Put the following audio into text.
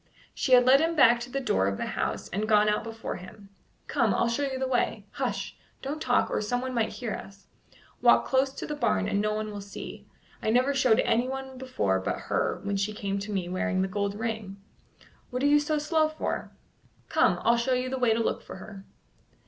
She had led him back to the door of the house and gone out before him. "Come, I'll show you the way. Hush! don't talk, or someone might hear us. Walk close to the barn, and no one will see. I never showed anyone before but her when she came to me wearing the gold ring. What are you so slow for? Come, I'll show you the way to look for her."